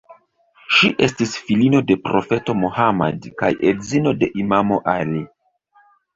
Ŝi estis filino de profeto Mohammad kaj edzino de imamo Ali.